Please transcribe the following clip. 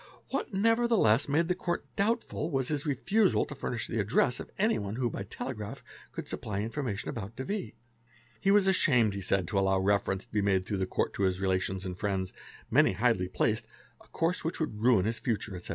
What nevertheless made the Court doubtful was his refusal to furnish the address of anyone who by telegraph could sup ply information about de V. He was ashamed he said to allow reference to be made through the Court to his relations and friends, many highly placed, a course which would ruin his future, etc.